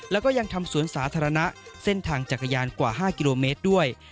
แล้วก็ยังทำสวนสาธารณะเส้นทางจักรยานกว่า๕กิโลเมตรด้วย